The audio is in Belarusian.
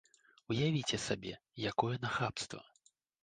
Уявіце сабе, якое нахабства!